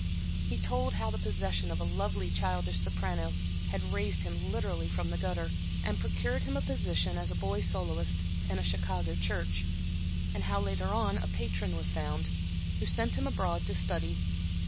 He told how the possession of a lovely childish soprano had raised him literally from the gutter, and procured him a position as boy soloist in a Chicago church, and how, later on, a patron was found, who sent him abroad to study.